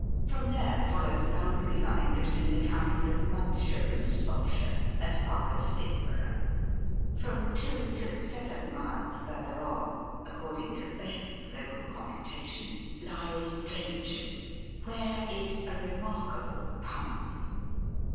From there follow the boundary line between the counties of Mudshire and Slopshire as far as Stickborough: from two to seven miles further on (according to the best local computation) lies Drencham, where is a remarkable pump.